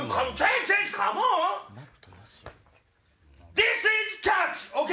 ディスイズキャッチ！ＯＫ？